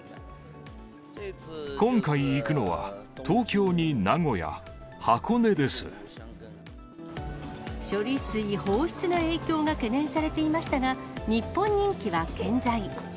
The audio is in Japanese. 今回行くのは、東京に名古屋、処理水放出の影響が懸念されていましたが、日本人気は健在。